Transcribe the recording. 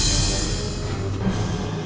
tidak ada satu